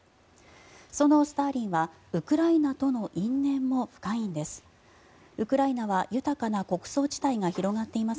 そのスターリンはウクライナとの因縁も深いんです。